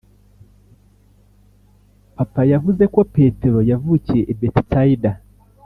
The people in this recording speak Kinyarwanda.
papa. yavuze ko petero yavukiye i bethsaïda